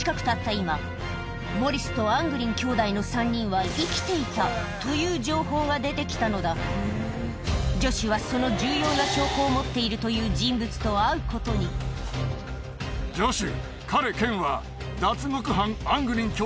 今モリスとアングリン兄弟の３人は生きていたという情報が出てきたのだジョシュはその重要な証拠を持っているという人物と会うことにジョシュ。